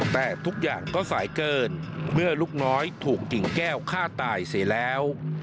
แต่ทุกอย่างก็สายเกินเมื่อลูกน้อยถูกกิ่งแก้วฆ่าตายเสียแล้ว